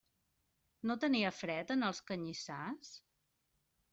No tenia fred en els canyissars?